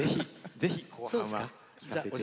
ぜひ、後半は。